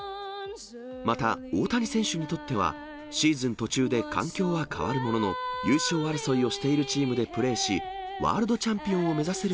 また、大谷選手にとっては、シーズン途中で環境は変わるものの、優勝争いをしているチームでプレーし、ワールドチャンピオンを目指せる